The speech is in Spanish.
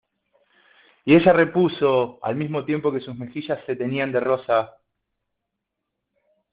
ella repuso, al mismo tiempo que sus mejillas se teñían de rosa: